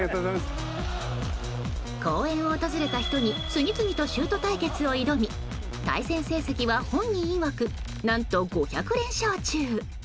公園を訪れた人に次々とシュート対決を挑み対戦成績は本人いわく何と５００連勝中。